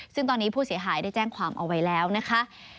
ซึ่งตอนนี้ผู้เสียหายได้แจ้งความเอาไว้แล้วนะคะ